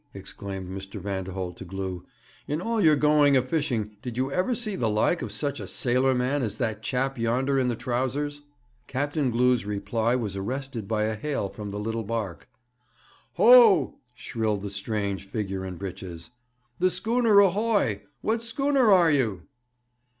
exclaimed Mr. Vanderholt to Glew. 'In all your going a fishing did you ever see the like of such a sailor man as that chap yonder in the trousers?' Captain Glew's reply was arrested by a hail from the little barque. 'Ho!' shrilled the strange figure in breeches. 'The schooner ahoy! What schooner are you?'